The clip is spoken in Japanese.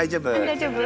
大丈夫？